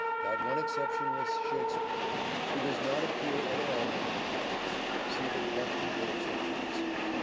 That one exception was Shakspere, who does not appear at all in the cast. (See the collected works of Jonson.)